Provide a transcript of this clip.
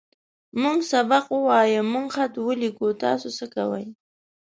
موږ سبق ووايه. موږ خط وليکو. تاسې څۀ کوئ؟